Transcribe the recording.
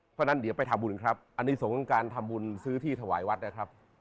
เพราะฉะนั้นเดี๋ยวไปทำบุญครับอันนี้สงฆ์การทำบุญซื้อที่ถวายวัดนะครับ